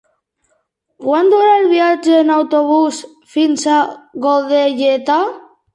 Quant dura el viatge en autobús fins a Godelleta?